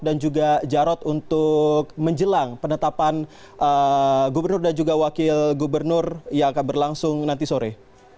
dan juga jarot untuk menjelang penetapan gubernur dan juga wakil gubernur yang akan berlangsung nanti sore